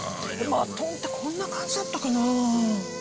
マトンってこんな感じだったかな？